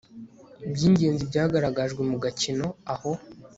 by ingenzi byagaragajwe mu gakino aho